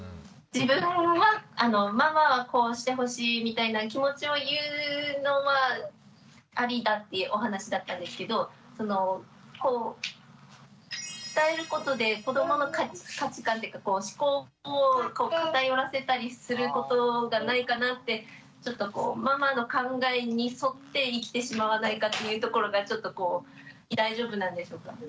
自分はママはこうしてほしいみたいな気持ちを言うのはアリだっていうお話だったんですけど伝えることで子どもの価値観というか思考を偏らせたりすることがないかなってママの考えに沿って生きてしまわないかっていうところがちょっとこう大丈夫なんでしょうか？